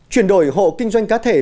chuyển đổi hộ kinh doanh cá thể